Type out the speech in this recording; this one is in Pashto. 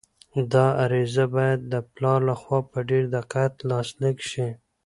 دا عریضه باید د پلار لخوا په ډېر دقت لاسلیک شي.